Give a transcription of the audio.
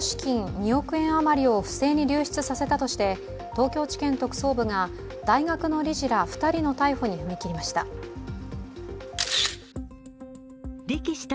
２億円余りを不正に流出させたとして東京地検特捜部が、大学の理事ら２人の逮捕に踏み切りました。